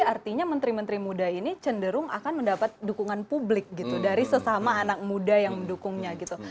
artinya menteri menteri muda ini cenderung akan mendapat dukungan publik gitu dari sesama anak muda yang mendukungnya gitu